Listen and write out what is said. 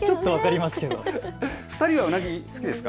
２人はうなぎ好きですか。